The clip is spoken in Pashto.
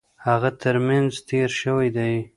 هغه ترمېنځ تېر شوی دی.